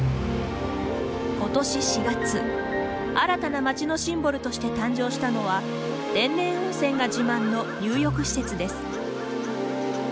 今年４月、新たな街のシンボルとして誕生したのは天然温泉が自慢の入浴施設です。